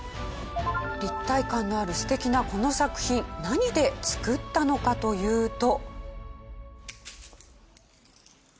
立体感のある素敵なこの作品何で作ったのかというと。